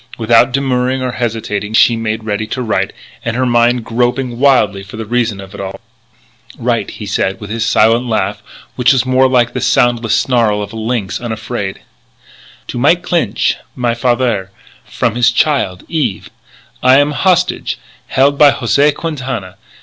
Without demurring or hesitation she made ready to write, her mind groping wildly for the reason of it all. "Write," he said, with his silent laugh which was more like the soundless snarl of a lynx unafraid: "To Mike Clinch, my fathaire, from his child, Eve.... I am hostage, held by José Quintana.